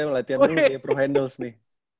melatihan dulu di pro handles nih